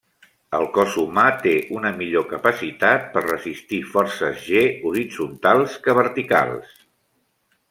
El cos humà té una millor capacitat per resistir forces g horitzontals que verticals.